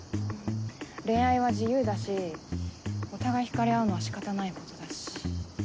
恋愛は自由だしお互いひかれあうのはしかたないことだし。